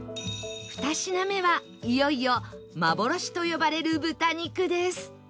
２品目はいよいよ幻と呼ばれる豚肉です